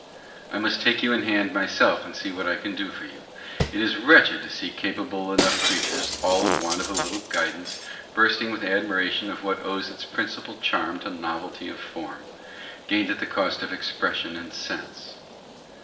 I must take you in hand myself, and see what I can do for you. It is wretched to see capable enough creatures, all for want of a little guidance, bursting with admiration of what owes its principal charm to novelty of form, gained at the cost of expression and sense.